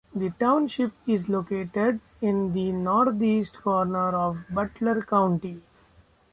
The township is located in the northeast corner of Butler County.